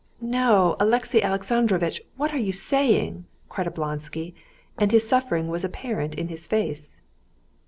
"No, Alexey Alexandrovitch! What are you saying?" cried Oblonsky, and his suffering was apparent in his face.